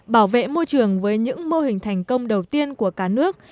bảo vệ môi trường với những mô hình thành công đầu tiên của cả nước